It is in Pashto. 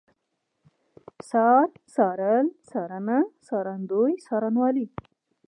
څار، څارل، څارنه، څارندوی، څارنوالي